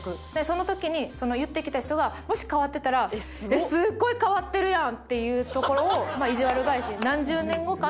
その時に言ってきた人がもし変わってたらえっすっごい変わってるやん！っていうところをいじわる返し。